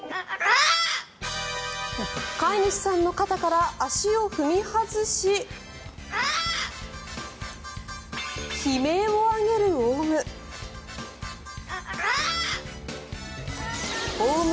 飼い主さんの肩から足を踏み外し悲鳴を上げるオウム。